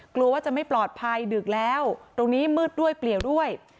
กลัวว่าจะไม่ปลอดภัยดึกแล้วตรงนี้มืดด้วยเปลี่ยวด้วย